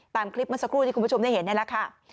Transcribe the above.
ตามคลิปเมื่อสักครู่ที่คุณผู้ชมได้เห็นนี่แหละค่ะ